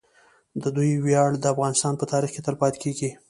د دوی ویاړ د افغانستان په تاریخ کې تل پاتې کیږي.